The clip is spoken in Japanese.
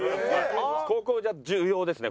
高校じゃ重要ですね